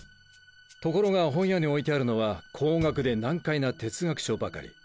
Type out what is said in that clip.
ところが本屋に置いてあるのは高額で難解な哲学書ばかり。